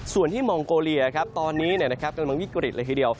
ส่วนที่มองโกเลียตอนนี้กำลังวิกฤตเลยทีเดียว